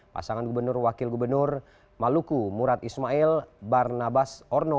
pasangan gubernur wakil gubernur maluku murad ismail barnabas orno